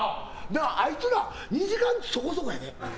あいつらは２時間そこそこやで？